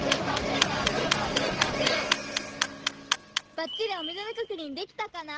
ばっちりおめざめ確認できたかな？